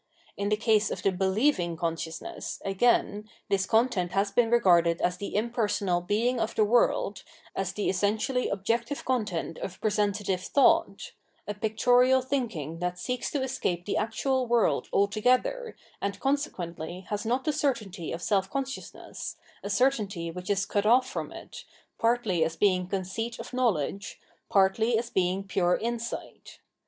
In the case of the "believing" conscious ness, again, this content has been regarded as the im personal Being of the World, as the essentially objective content of presentative thought — a pictorial thinking that seeks to escape the actual world altogether, and consequently has not the certainty of self consciousness, a certainty which is cut off from it, partly as being conceit of knowledge, partly as being pure insight.